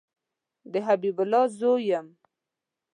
د حبیب الله زوی یم